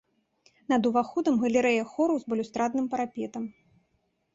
Над уваходам галерэя хораў з балюстрадным парапетам.